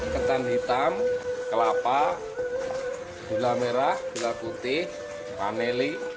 ketan hitam kelapa gula merah gula putih paneli